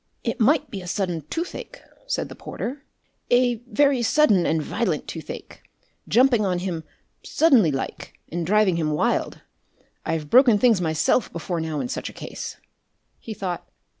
"It might be a sudden toothache," said the porter, "a very sudden and violent toothache, jumping on him suddenly like and driving him wild. I've broken things myself before now in such a case..." He thought.